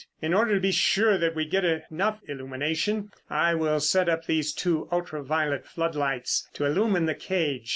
In order to be sure that we get enough illumination, I will set up these two ultra violet floodlights to illumine the cage.